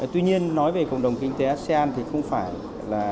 tuy nhiên nói về cộng đồng kinh tế asean thì không phải là